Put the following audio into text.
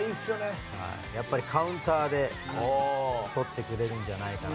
カウンターで取ってくれるんじゃないかな。